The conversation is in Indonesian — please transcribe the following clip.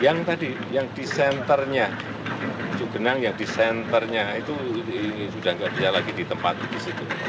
yang tadi yang di senternya cukbenang yang di senternya itu sudah tidak bisa lagi ditempatkan di situ